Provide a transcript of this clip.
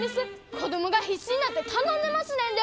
子供が必死になって頼んでますねんで！